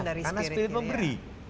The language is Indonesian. karena spirit memberi